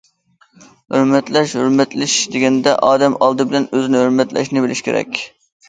ھۆرمەتلەش، ھۆرمەتلىنىش دېگەندە ئادەم ئالدى بىلەن ئۆزىنى ھۆرمەتلەشنى بىلىشى كېرەك.